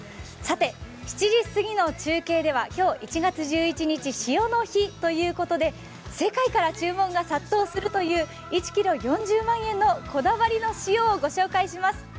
さて、７時すぎの中継では今日１月１１日、塩の日ということで世界から注文が殺到するという、１ｋｇ４０万円のこだわりの塩をご紹介します。